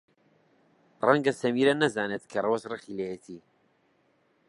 ڕەنگە سەمیرە نەزانێت کە ڕەوەز ڕقی لێیەتی.